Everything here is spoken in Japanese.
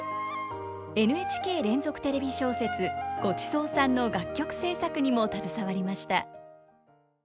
ＮＨＫ連続テレビ小説「ごちそうさん」の楽曲制作にも携わりました。